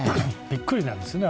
びっくりなんですね